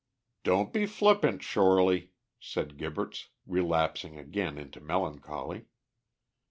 "Don't be flippant, Shorely," said Gibberts, relapsing again into melancholy.